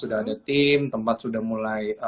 sudah ada tim tempat sudah mulai